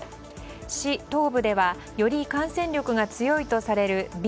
市東部ではより感染力が強いとされるＢＡ